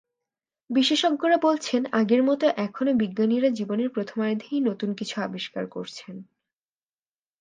বিশেষজ্ঞরা বলছেন, আগের মতো এখনো বিজ্ঞানীরা জীবনের প্রথমার্ধেই নতুন কিছু আবিষ্কার করছেন।